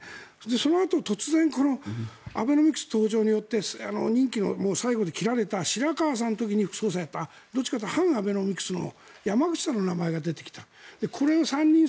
そのあと突然アベノミクス登場によって任期の最後に切られた白川さんの時に副総裁を務めたどっちかというと反アベノミクスの山口さんの名前が出てきた。